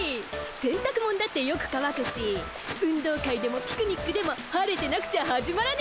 せんたくもんだってよくかわくし運動会でもピクニックでも晴れてなくちゃ始まらねえ。